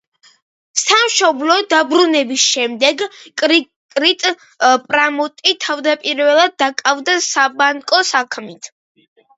სამშობლოში დაბრუნების შემდეგ კიკრიტ პრამოტი თავდაპირველად დაკავდა საბანკო საქმით.